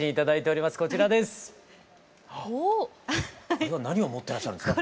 これは何を持ってらっしゃるんですか？